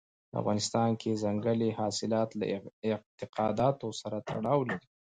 په افغانستان کې ځنګلي حاصلات له اعتقاداتو سره تړاو لري.